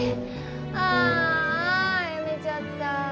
ああやめちゃった。